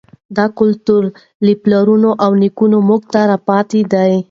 دا کلتور له پلرونو او نیکونو موږ ته پاتې دی.